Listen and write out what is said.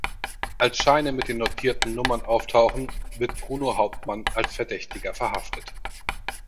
Als Scheine mit den notierten Nummern auftauchen, wird Bruno Hauptmann als Verdächtiger verhaftet.